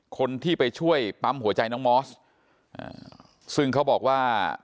คนที่ไปช่วยปั๊มหัวใจน้องมอสซึ่งเขาบอกว่า